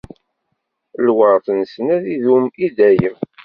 Lweṛt-nsen ad idum i dayem.